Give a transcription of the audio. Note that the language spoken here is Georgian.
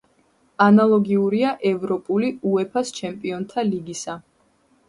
ანალოგიურია ევროპული უეფა-ს ჩემპიონთა ლიგისა.